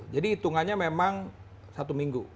jadi hitungannya memang satu minggu